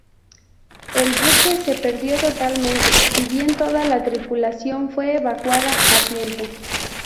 El buque se perdió totalmente, si bien toda la tripulación fue evacuada a tiempo.